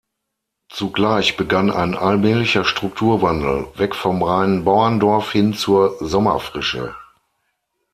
Zugleich begann ein allmählicher Strukturwandel, weg vom reinen Bauerndorf hin zur Sommerfrische.